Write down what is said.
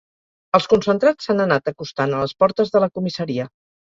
Els concentrats s’han anat acostant a les portes de la comissaria.